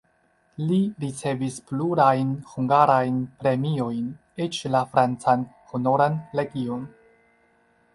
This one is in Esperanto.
Li ricevis plurajn hungarajn premiojn, eĉ la francan Honoran legion.